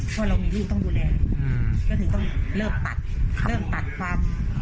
เพราะเรามีลูกต้องดูแลก็ถึงต้องเริ่มตัดเริ่มตัดความ